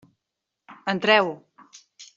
Entreu.